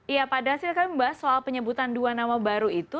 ya pada hasil kami mbak soal penyebutan dua nama baru itu